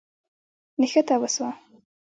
نښته وسوه.